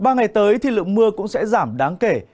ba ngày tới thì lượng mưa cũng sẽ giảm đáng kể